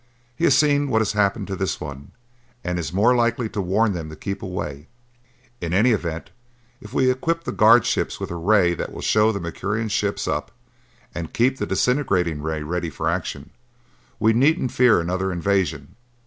He has seen what has happened to this one and is more likely to warn them to keep away. In any event, if we equip the guard ships with a ray that will show the Mercurian ships up and keep the disintegrating ray ready for action, we needn't fear another invasion.